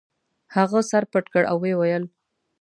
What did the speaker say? هغه سر پټ کړ او ویې ویل.